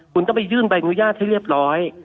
คุณต้องไปยื่นใบอนุญาตให้เรียบร้อย